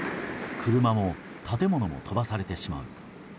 車も建物も飛ばされてしまう。